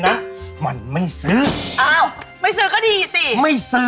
มันเป็นอะไร